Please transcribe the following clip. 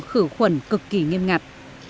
khử khuẩn cực kỳ nghiêm ngặt